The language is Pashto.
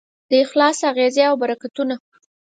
د اخلاص اغېزې او برکتونه